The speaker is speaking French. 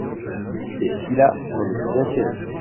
c'est fille-là s'en était bien tirée.